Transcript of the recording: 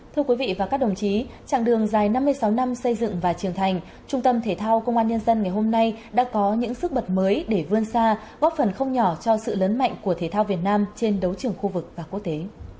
thưa quý vị và các đồng chí trạng đường dài năm mươi sáu năm xây dựng và trưởng thành trung tâm thể thao công an nhân dân ngày hôm nay đã có những sức bật mới để vươn xa góp phần không nhỏ cho sự lớn mạnh của thể thao việt nam trên đấu trường khu vực và quốc tế